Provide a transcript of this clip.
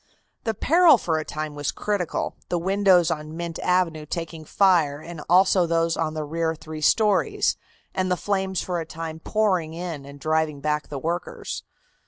The peril for a time was critical, the windows on Mint Avenue taking fire and also those on the rear three stories, and the flames for a time pouring in and driving back the workers.